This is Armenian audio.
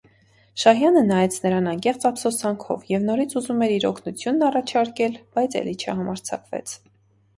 Շահյանը նայեց նրան անկեղծ ափսոսանքով և նորից ուզում էր իր օգնությունն առաջարկել, բայց էլի չհամարձակվեց.